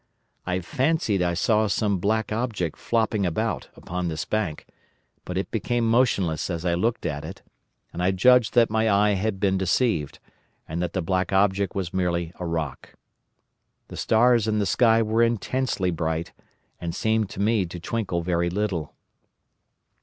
I fancied I saw some black object flopping about upon this bank, but it became motionless as I looked at it, and I judged that my eye had been deceived, and that the black object was merely a rock. The stars in the sky were intensely bright and seemed to me to twinkle very little.